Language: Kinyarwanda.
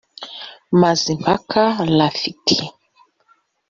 Mazimpaka Rafiki